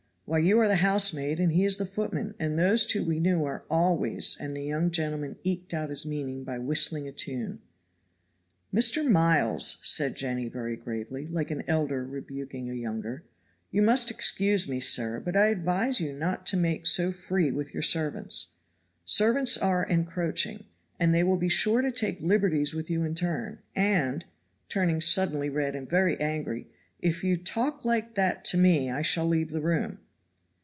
Why you are the housemaid and he is the footman, and those two we know are always" and the young gentleman eked out his meaning by whistling a tune. "Mr. Miles," said Jenny, very gravely, like an elder rebuking a younger, "you must excuse me, sir, but I advise you not to make so free with your servants. Servants are encroaching, and they will be sure to take liberties with you in turn; and," turning suddenly red and angry, "if you talk like that to me I shall leave the room."